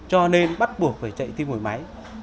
cho nên bắt buộc phải chạy tim phổi máy